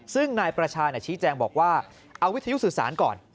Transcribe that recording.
ซึ่งนายประชาชี้แจงบอกว่าเอาวิทยุสื่อสารก่อน